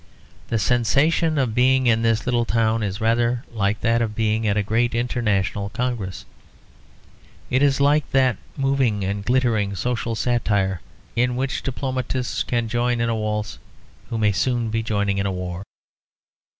The sensation of being in this little town is rather like that of being at a great international congress. It is like that moving and glittering social satire, in which diplomatists can join in a waltz who may soon be joining in a war.